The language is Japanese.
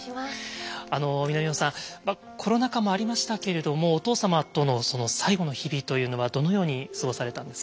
南野さんコロナ禍もありましたけれどもお父様との最後の日々というのはどのように過ごされたんですか？